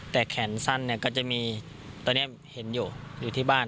แต่แขนสั้นเนี่ยก็จะมีตอนนี้เห็นอยู่อยู่ที่บ้าน